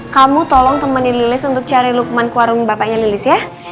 kamu tolong temannya lilis untuk cari lukman ke warung bapaknya lilis ya